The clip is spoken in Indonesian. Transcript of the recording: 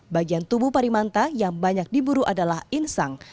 bagian tubuh parimanta yang banyak diburu adalah insang